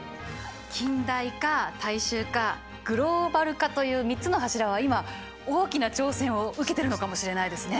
近代化大衆化グローバル化という３つの柱は今大きな挑戦を受けてるのかもしれないですね。